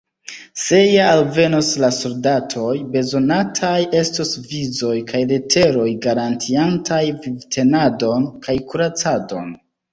Se ja alvenos la soldatoj, bezonataj estos vizoj kaj leteroj garantiantaj vivtenadon kaj kuracadon.